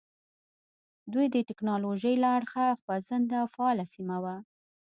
دوی د ټکنالوژۍ له اړخه خوځنده او فعاله سیمه وه.